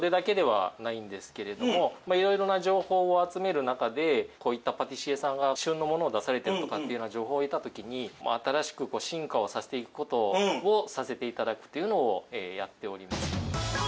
いろいろな情報を集める中でこういったパティシエさんが旬のものを出されてるとかっていうような情報を得た時に新しく進化をさせていく事をさせていただくというのをやっております。